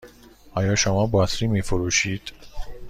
آیا شما باطری می فروشید؟